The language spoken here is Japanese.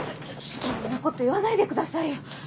ちょっそんなこと言わないでくださいよ。